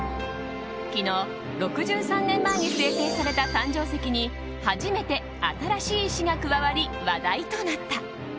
昨日、６３年前に制定された誕生石に初めて、新しい石が加わり話題となった。